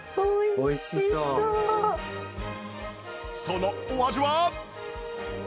そのお味は？